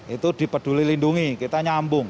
itu dipeduli lindungi kita nyambung